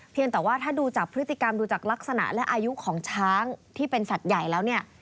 เพียงแต่ว่าถ้าดูจากพฤติกรรมดูจากลักษณะและอายุของช้างที่เป็นสัตว์ใหญ่แล้วเนี่ย